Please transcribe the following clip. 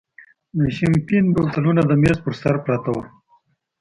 د شیمپین بوتلونه د مېز پر سر پراته ول.